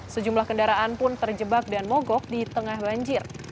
sejumlah kendaraan pun terjebak dan mogok di tengah banjir